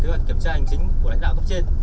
về vị trí